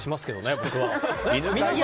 僕は。